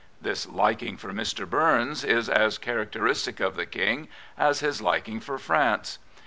This liking for Mr. Bums is as characteristic of the King as his liking for France.